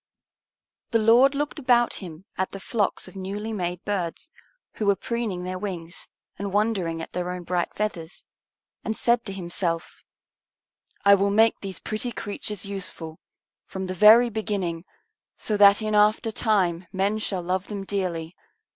The Lord looked about Him at the flocks of newly made birds, who were preening their wings and wondering at their own bright feathers, and said to Himself, "I will make these pretty creatures useful, from the very beginning, so that in after time men shall love them dearly.